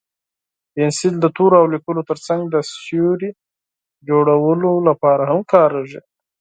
پنسل د تورو او لیکلو تر څنګ د سیوري جوړولو لپاره هم کارېږي.